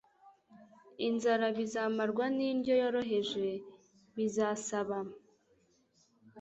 inzara bizamarwa n’indyo yoroheje. Bizasaba